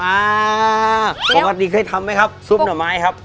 อ่าปกติเคยทำไหมครับซุปหน่อไม้ครับ